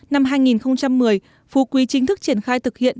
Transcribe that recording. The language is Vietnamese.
năm hai nghìn một mươi phú quý chính thức triển khai thực hiện